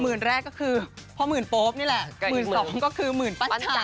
หมื่นแรกก็คือพอหมื่นโป๊บนี่แหละหมื่นสองก็คือหมื่นปั้นจันนะคะ